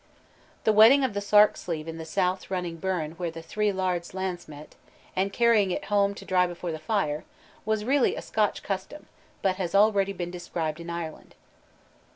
The wetting of the sark sleeve in a south running burn where "three lairds' lands meet," and carrying it home to dry before the fire, was really a Scotch custom, but has already been described in Ireland.